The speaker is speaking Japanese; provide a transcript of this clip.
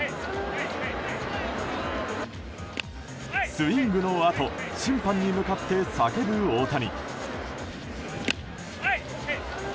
スイングのあと審判に向かって叫ぶ大谷。